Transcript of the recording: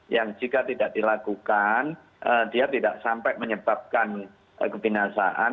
yang jika tidak dilakukan dia tidak sampai menyebabkan kebinasaan